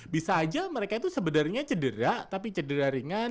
bisa aja mereka itu sebenarnya cedera tapi cedera ringan